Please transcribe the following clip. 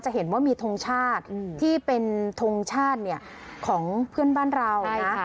เห็นว่ามีทงชาติที่เป็นทงชาติของเพื่อนบ้านเรานะ